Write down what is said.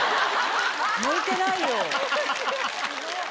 向いてないよ。